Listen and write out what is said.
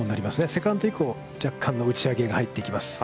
セカンド以降、若干の打ち上げが入ってきます。